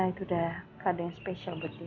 itu udah gak ada yang spesial buat dia